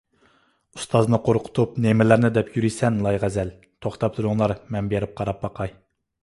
ئۇستازنى قورقۇتۇپ نېمىلەرنى دەپ يۈرىسەن، لايغەزەل! توختاپ تۇرۇڭلار، مەن بېرىپ قاراپ باقاي.